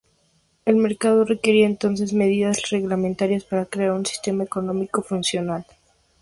El mercado requerirá entonces medidas reglamentarias para crear un sistema económico funcional.